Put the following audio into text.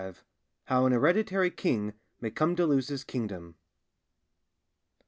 —_How an Hereditary King may come to lose his Kingdom.